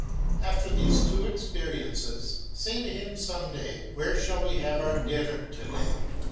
After these two experiences, say to him some day, "Where shall we have our dinner to day?